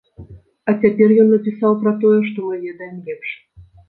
А цяпер ён напісаў пра тое, што мы ведаем лепш.